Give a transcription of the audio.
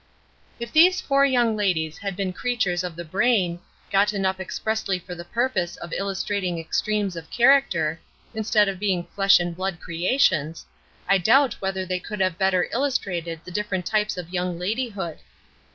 If these four young ladies had been creatures of the brain, gotten up expressly for the purpose of illustrating extremes of character, instead of being flesh and blood creations, I doubt whether they could have better illustrated the different types of young ladyhood.